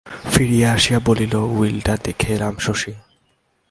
ফিরিয়া আসিয়া বলিল, উইলটা দেখে এলাম শশী।